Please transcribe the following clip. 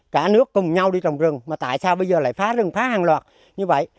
cả nước cùng nhau đi trồng rừng mà tại sao bây giờ lại phá rừng phá hàng loạt như vậy